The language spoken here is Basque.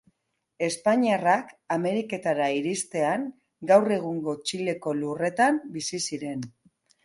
Espainiarrak Ameriketara iristean, gaur egungo Txileko lurretan bizi ziren.